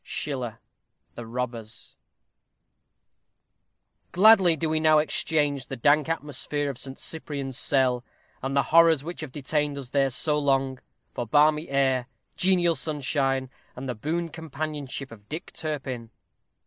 SCHILLER: The Robbers. Gladly do we now exchange the dank atmosphere of Saint Cyprian's cell, and the horrors which have detained us there so long, for balmy air, genial sunshine, and the boon companionship of Dick Turpin.